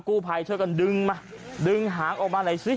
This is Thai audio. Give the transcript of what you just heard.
กู้ภัยช่วยกันดึงมาดึงหางออกมาหน่อยสิ